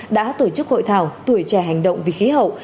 đã tổ chức hội thảo tuổi trẻ hành động vì khí hậu